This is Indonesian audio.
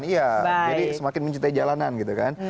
iya jadi semakin mencintai jalanan